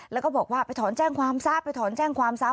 แล้วก็บอกว่าไปถอนแจ้งความซะไปถอนแจ้งความซะ